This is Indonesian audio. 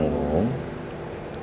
sebelum kita naikin